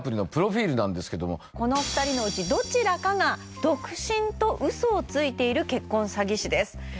そんなこの２人のうちどちらかが独身とウソをついている結婚サギ師です